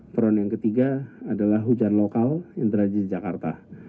front yang ketiga adalah hujan lokal yang terjadi di jakarta